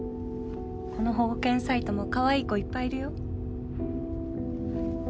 この保護犬サイトもかわいい子いっぱいいるよ。